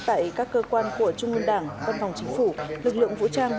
tại các cơ quan của trung ương đảng văn phòng chính phủ lực lượng vũ trang